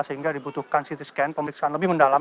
sehingga dibutuhkan ct scan pemeriksaan lebih mendalam